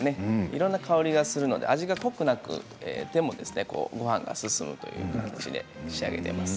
いろんな香りがするので味が濃くなくでもごはんが進むという感じで仕上げています。